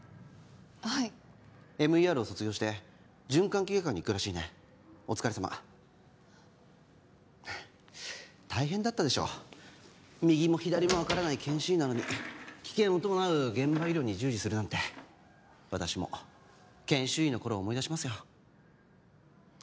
はいＭＥＲを卒業して循環器外科に行くらしいねお疲れさま大変だったでしょう右も左も分からない研修医なのに危険を伴う現場医療に従事するなんて私も研修医の頃を思い出しますよ